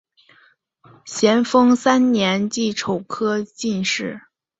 咸丰三年癸丑科进士。